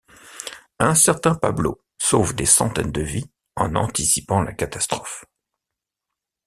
Un certain Pablo sauve des centaines de vies en anticipant la catastrophe.